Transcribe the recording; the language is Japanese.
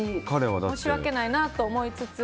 申し訳ないなと思いつつ。